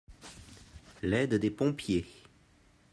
l'aide des pompiers.